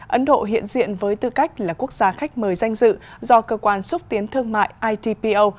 ấn độ hiện diện với tư cách là quốc gia khách mời danh dự do cơ quan xúc tiến thương mại itpo